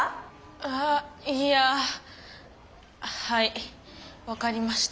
あいやはい分かりました。